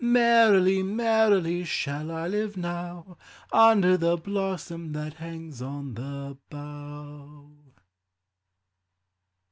Merrily, merrily, shall I live now, Under the blossom that hangs on the bough.